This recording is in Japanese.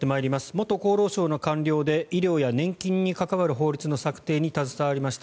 元厚労省の官僚で医療や年金に関わる法律の作成に関わりました